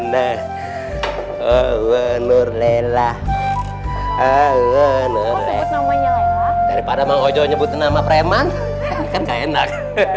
namanya daripada menyebut nama preman enak